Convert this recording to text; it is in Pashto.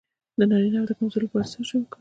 د نارینه د کمزوری لپاره څه شی وکاروم؟